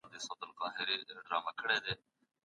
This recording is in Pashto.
په هند کې کوم مرکز سته؟